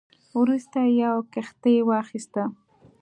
وروسته یې یوه کښتۍ واخیسته.